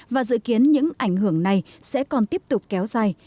và dự kiến những ảnh hưởng này sẽ còn tiếp tục kéo dài